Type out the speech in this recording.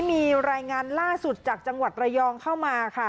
มีรายงานล่าสุดจากจังหวัดระยองเข้ามาค่ะ